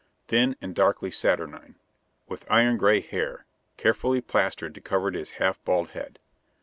Thin and darkly saturnine, with iron gray hair, carefully plastered to cover his half bald head.